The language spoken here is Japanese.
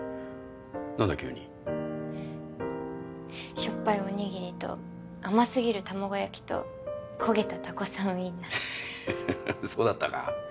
何だ急にしょっぱいおにぎりと甘すぎる卵焼きと焦げたタコさんウインナーそうだったかうん